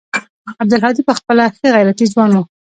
عبدالهادي پخپله ښه غيرتي ځوان و.